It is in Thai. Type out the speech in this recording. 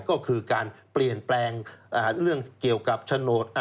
ก็คือการเปลี่ยนแปลงเรื่องเกี่ยวกับโฉนด